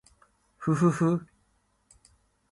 ふふふ